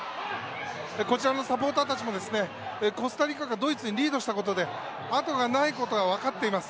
こちらのサポーターたちもコスタリカがドイツにリードしたことであとがないことが分かっています。